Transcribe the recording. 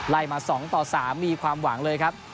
ไล่มา๒๓มีความหวังเลยครับ